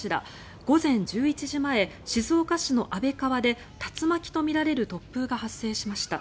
午前１１時前、静岡市の安倍川で竜巻とみられる突風が発生しました。